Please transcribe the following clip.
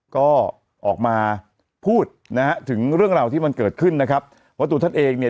ก็ออกมาพูดนะฮะถึงเรื่องราวที่มันเกิดขึ้นนะครับว่าตัวท่านเองเนี่ย